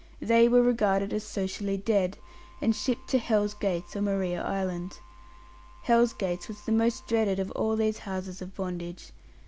They were regarded as socially dead, and shipped to Hell's Gates, or Maria Island. Hells Gates was the most dreaded of all these houses of bondage.